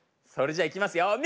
それじゃいきますよ！